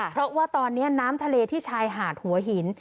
เพราะว่าตอนนี้น้ำทะเลที่ชายหาดหัวหิน